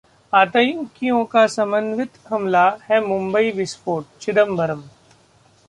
आतंकियों का समन्वित हमला है मुम्बई विस्फोट: चिदंबरम